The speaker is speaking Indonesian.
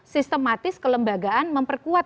sistematis kelembagaan memperkuat